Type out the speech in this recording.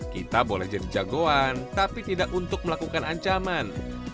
kita boleh jadi jagoan tapi tidak untuk melakukan ancaman